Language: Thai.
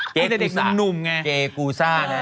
เกกูสเกกูเส้า